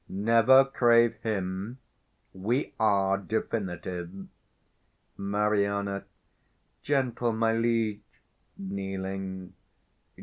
_ Never crave him; we are definitive. 425 Mari. Gentle my liege, [_Kneeling.